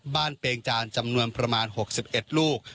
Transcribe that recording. เปงจานจำนวนประมาณ๖๑ลูก